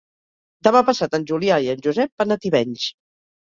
Demà passat en Julià i en Josep van a Tivenys.